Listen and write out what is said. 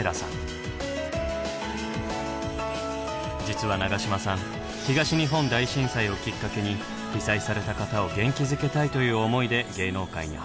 実は永島さん東日本大震災をきっかけに被災された方を元気づけたいという思いで芸能界に入ったんだそう。